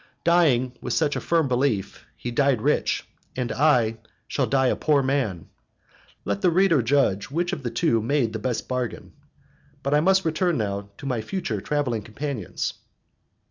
Dying with such a firm belief, he died rich, and I shall die a poor man. Let the reader judge which of the two made the best bargain. But I must return now to my future travelling companions.